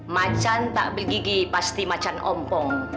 macan tak bergigi pasti macan ompong